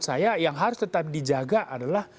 saya yang harus tetap dijaga adalah